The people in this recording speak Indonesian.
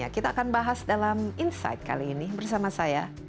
kita akan bahas dalam insight kali ini bersama saya